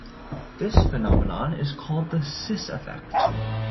This phenomenon is called the "cis effect".